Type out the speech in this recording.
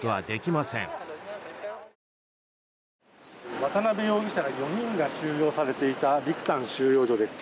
渡邉容疑者ら４人が収容されていたビクタン収容所です。